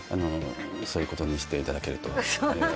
そういうことにしていただけると。